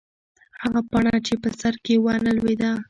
هغه پاڼه چې په سر کې وه نه لوېده.